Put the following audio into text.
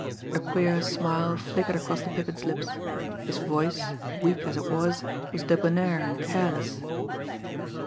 A queer smile flickered across the Pippin's lips; his voice, weak as it was, was debonair and careless.